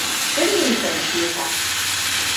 Sun nisance ta.